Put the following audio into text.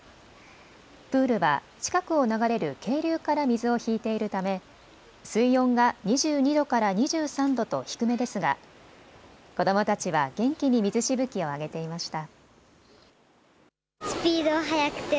プールは近くを流れる渓流から水を引いているため水温が２２度から２３度と低めですが子どもたちは元気に水しぶきを上げていました。